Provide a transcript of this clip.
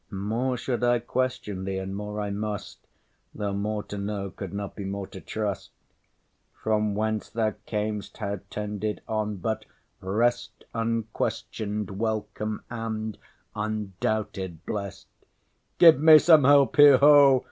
More should I question thee, and more I must, Though more to know could not be more to trust: From whence thou cam'st, how tended on; but rest Unquestion'd welcome, and undoubted bless'd. Give me some help here, ho!